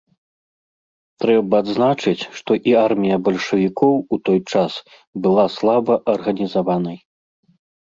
Трэба адзначыць, што і армія бальшавікоў у той час была слаба арганізаванай.